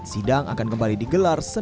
sidang akan kembali digelar